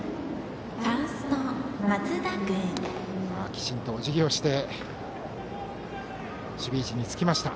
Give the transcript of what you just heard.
きちんとおじぎをして守備位置につきました。